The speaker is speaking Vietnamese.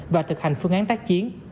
và thực hành phương án tác chiến